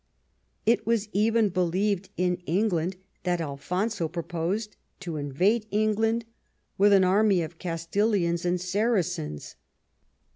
It was even believed in England that Alfonso proposed to invade England with an army of Castilians and Saracens.